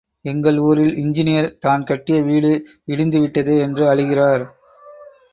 எங்க ஊரில் இஞ்சினீயர், தான் கட்டிய வீடு இடிந்து விட்டதே என்று அழுகிறார்.